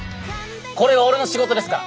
これは俺の仕事ですから。